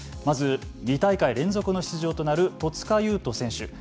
まず２大会連続の出場となる戸塚優斗選手。